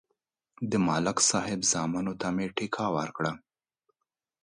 د ملک صاحب زامنو ته مې ټېکه ورکړه.